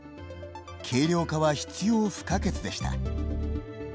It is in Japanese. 軽量化は必要不可欠でした。